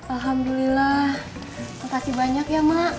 alhamdulillah makasih banyak ya mak